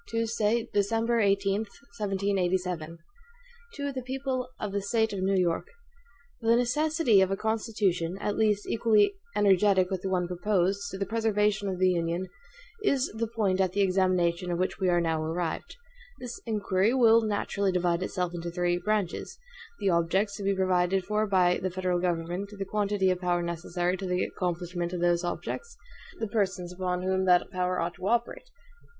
Tuesday, December 18, 1787. HAMILTON To the People of the State of New York: THE necessity of a Constitution, at least equally energetic with the one proposed, to the preservation of the Union, is the point at the examination of which we are now arrived. This inquiry will naturally divide itself into three branches the objects to be provided for by the federal government, the quantity of power necessary to the accomplishment of those objects, the persons upon whom that power ought to operate.